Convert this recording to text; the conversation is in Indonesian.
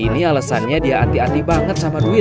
ini alesannya dia hati hati banget sama duit